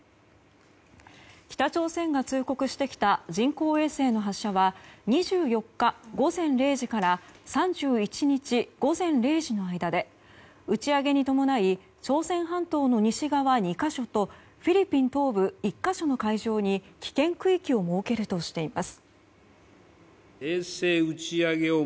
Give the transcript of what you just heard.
北朝鮮が通告してきた人工衛星の発射は２４日午前０時から３１日午前０時の間で打ち上げに伴い朝鮮半島の西側２か所とフィリピン東部１か所の海上に危険区域を設けるとしています。